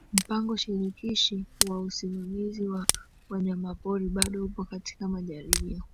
Mpango Shirikishi wa Usimamizi wa Wanyamapori bado upo katika majaribio